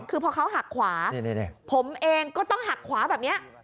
คือพอเขาหักขวาผมเองก็ต้องหักขวาแบบนี้